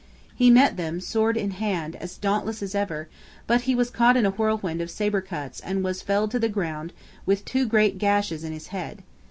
He met them, sword in hand, as dauntless as ever; but he was caught in a whirlwind of sabre cuts and was felled to the ground with two great gashes in his head.